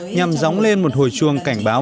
nhằm dóng lên một hồi chuông cảnh báo